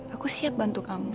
aku siap bantu kamu